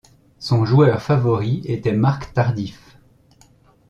Son joueur favori était Marc Tardif.